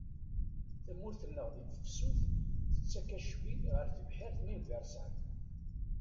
Tamurt-nneɣ di tefsut tettak acbi ɣer tebḥirt-nni n Virṣay.